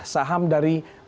saham dari pertamina